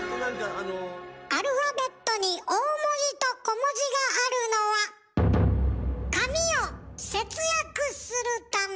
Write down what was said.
アルファベットに大文字と小文字があるのは紙を節約するため。